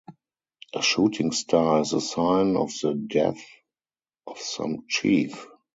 A shooting star is the sign of the death of some chief.